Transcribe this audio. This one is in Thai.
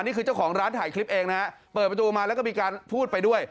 นี่คือเจ้าของร้านถ่ายคลิปเองนะฮะเปิดประตูมาแล้วก็มีการพูดไปด้วย